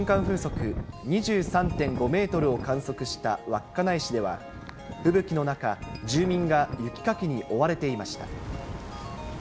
風速２３．５メートルを観測した稚内市では、吹雪の中、住民が雪かきに追われていました。